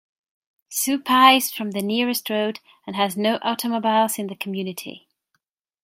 Supai is from the nearest road and has no automobiles in the community.